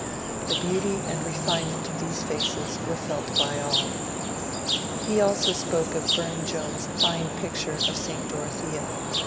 The beauty and re finement of these faces were felt by all. He also spoke of Bume Jones's fine picture of St. Dorothea.